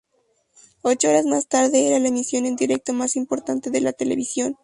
Ocho horas más tarde era la emisión en directo más importante de la televisión.